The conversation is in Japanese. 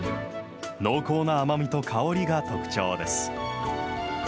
濃厚な甘みと香りが特徴です。